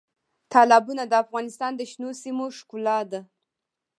تالابونه د افغانستان د شنو سیمو ښکلا ده.